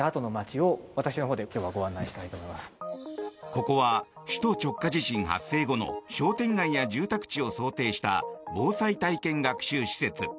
ここは首都直下地震発生後の商店街や住宅地を想定した防災体験学習施設。